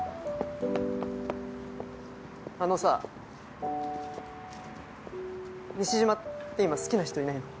あのさ西島って今好きな人いないの？